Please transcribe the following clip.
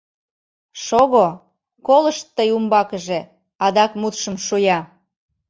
— Шого, колышт тый умбакыже! — адак мутшым шуя.